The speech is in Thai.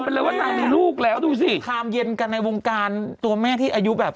เป็นเลยว่านางมีลูกแล้วดูสิคามเย็นกันในวงการตัวแม่ที่อายุแบบ